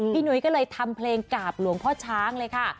หนุ้ยก็เลยทำเพลงกราบหลวงพ่อช้างเลยค่ะ